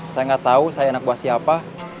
saya nggak tahu saya anak buah siapa